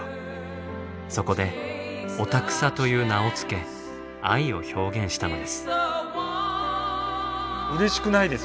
そこで「オタクサ」という名をつけ愛を表現したのです。